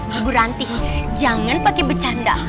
hei bu ranti jangan pakai bercanda